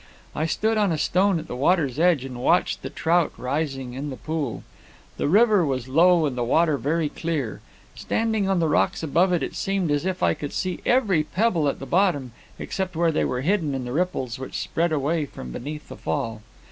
I stood on a stone at the water's edge and watched the trout rising in the pool. The river was low and the water very clear. Standing on the rocks above it, it seemed as if I could see every pebble at the bottom, except where they were hidden in the ripples which spread away from beneath the fall.